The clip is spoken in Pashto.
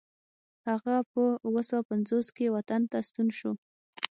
هغه په اوه سوه پنځوس کې وطن ته ستون شو.